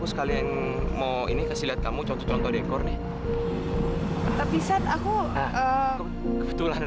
sampai jumpa di video selanjutnya